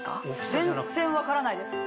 全然分からないです。